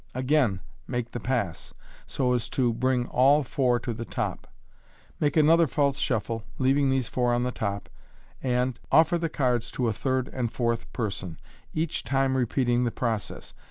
Again make the pass, so as to bring all four to the top Make another false shuffle, leaving those four on the top, and otfi r the cards to a third and fourth person, each time repeating the process.